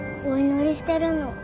お祈りしてるの。